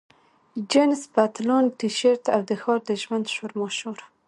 جینس پتلون، ټي شرټ، او د ښار د ژوند شورماشور.